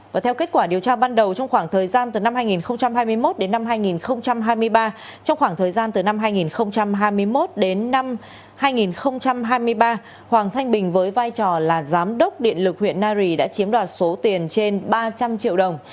và theo kết quả điều tra ban đầu trong khoảng thời gian từ năm hai nghìn hai mươi một đến năm hai nghìn hai mươi ba hoàng thanh bình với vai trò là giám đốc điện lực huyện nari đã chiếm đoạt số tiền trên ba trăm linh triệu đồng